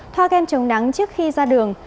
thoa kem chống nắng trước khi ra đường